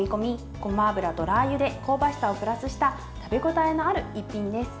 ごま油とラーユで香ばしさをプラスした食べ応えのある一品です。